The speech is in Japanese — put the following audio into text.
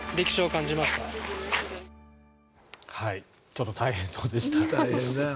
ちょっと大変そうでした。